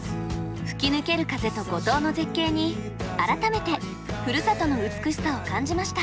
吹き抜ける風と五島の絶景に改めてふるさとの美しさを感じました。